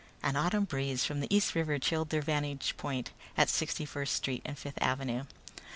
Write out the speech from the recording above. An autumn breeze from the East River chilled their vantage point at Sixty First Street and Fifth Avenue.